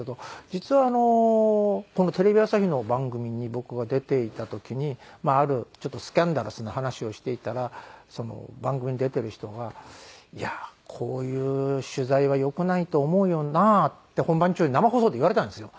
実はこのテレビ朝日の番組に僕が出ていた時にまああるちょっとスキャンダラスな話をしていたら番組に出ている人が「いやこういう取材はよくないと思うよな」って本番中に生放送で言われたんですよ。